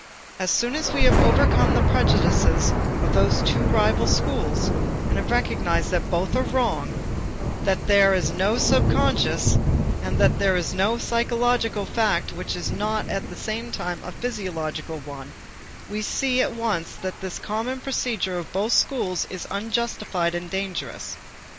As soon as we have overcome the prejudices of those two rival schools and have recognized that both are wrong, that there is no subconscious and that there is no psychological fact which is not at the same time a physiological one, we see at once that this common procedure of both schools is unjustified and dangerous.